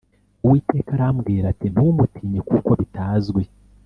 uwiteka arambwira ati ntumutinye kuko bitazwi